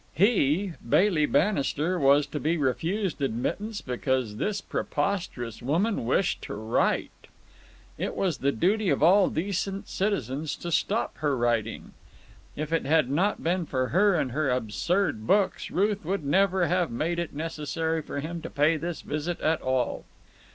He, Bailey Bannister, was to be refused admittance because this preposterous woman wished to write! It was the duty of all decent citizens to stop her writing. If it had not been for her and her absurd books Ruth would never have made it necessary for him to pay this visit at all.